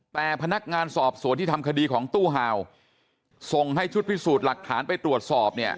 แต่พนักงานสอบสวนที่ทำคดีของตู้ห่าวส่งให้ชุดพิสูจน์หลักฐานไปตรวจสอบเนี่ย